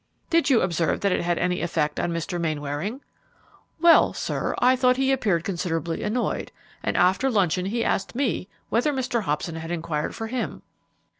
"Did you observe that it had any effect on Mr. Mainwaring?" "Well, sir, I thought he appeared considerably annoyed, and after luncheon he asked me whether Mr. Hobson had inquired for him."